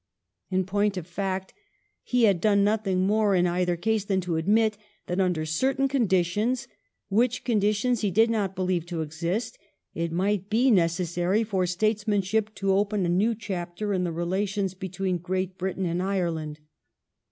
In point of fact, he had done nothing more in either case than to admit that under certain con ditions, which conditions he did not believe to exist, it might be necessary for statesmanship to open a new chapter in the relations between Great Britain and Ireland.